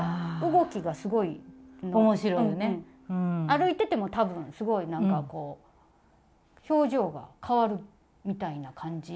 歩いてても多分すごいなんかこう表情がかわるみたいな感じ？